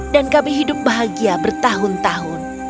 kami hidup bahagia bertahun tahun